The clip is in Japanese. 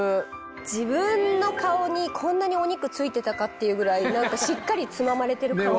自分の顔にこんなにお肉ついてたかっていうぐらいしっかりつままれてる感じ。